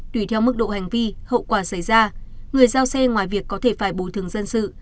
tùy theo mức độ hành vi hậu quả xảy ra người giao xe ngoài việc có thể phải bồi thường dân sự